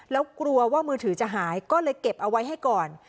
แล้วกลัวว่ามือถือจะหายก็เลยเก็บเอาไว้ให้ก่อน